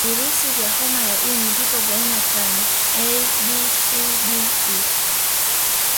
Virusi vya homa ya ini vipo vya aina tano A B C D E